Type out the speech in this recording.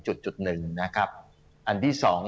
จุดจุดหนึ่งนะครับอันที่สอง